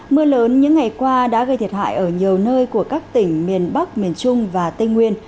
mưa lớn những ngày qua đã gây thiệt hại ở nhiều nơi của các tỉnh miền bắc miền trung và tây nguyên